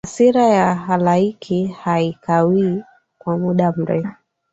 hasira ya halaiki haikawii kwa muda mrefu